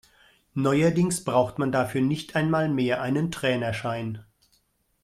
Neuerdings braucht man dafür nicht einmal mehr einen Trainerschein.